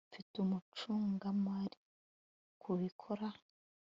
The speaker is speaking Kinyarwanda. Mfite umucungamari kubikora